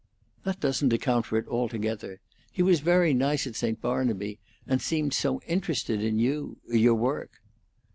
"That doesn't account for it altogether. He was very nice at St. Barnaby, and seemed so interested in you your work."